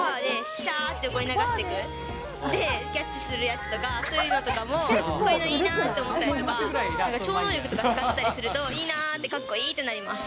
ゃーって横に流していく、で、キャッチするやつとか、そういうのとかもこういうのいいなって思ったりとか、なんか超能力とか使ってたりすると、いいなー、かっこいいなってなります。